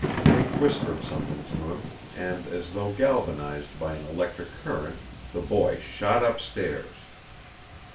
Meg whispered something to him, and, as though galvanized by an electric current, the boy shot up stairs.